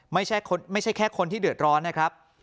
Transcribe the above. ไม่ใช่แค่คนที่เดือดร้อนนะครับ